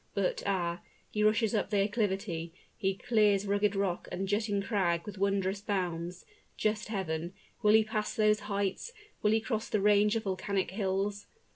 But, ah! he rushes up the acclivity he clears rugged rock and jutting crag with wondrous bounds; just Heaven! will he pass those heights will he cross the range of volcanic hills?